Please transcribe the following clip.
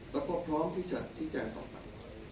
และก็พร้อมที่จะต่อไป